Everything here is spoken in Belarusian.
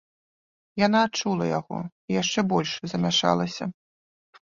Яна адчула яго і яшчэ больш замяшалася.